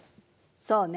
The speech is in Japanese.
そうね。